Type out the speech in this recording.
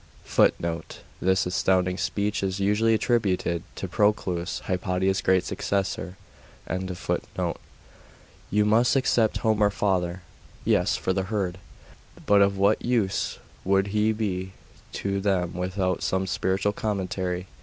'[Footnote: This astounding speech is usually attributed to Proclus, Hypatia's 'great' successor.] 'You must except Homer, father.' 'Yes, for the herd.... But of what use would he be to them without some spiritual commentary?